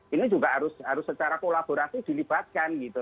ini juga harus secara kolaborasi dilibatkan gitu